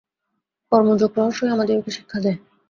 কর্মযোগ রহস্যই আমাদিগকে শিক্ষা দেয়।